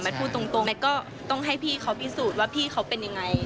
พูดตรงแมทก็ต้องให้พี่เขาพิสูจน์ว่าพี่เขาเป็นยังไง